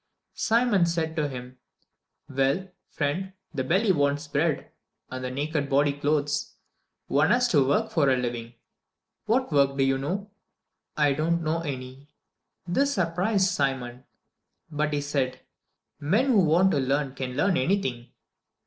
Simon said to him, "Well, friend; the belly wants bread, and the naked body clothes. One has to work for a living What work do you know?" "I do not know any." This surprised Simon, but he said, "Men who want to learn can learn anything."